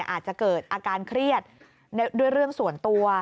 อาจจะเกิดอาการเครียดด้วยเรื่องส่วนตัว